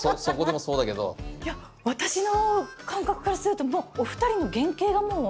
いや私の感覚からするとお二人の原型がもう。